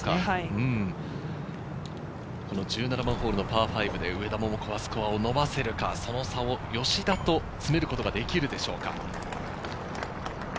１７番ホールのパー５で上田桃子はスコアを伸ばせるか、その差を吉田と詰めることができるでしょうか？